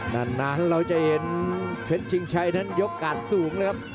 ดังนั้นเราจะเห็นเจ๊จิ้งชัยนั้นยกกาศสูงนะครับ